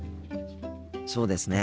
そうですね。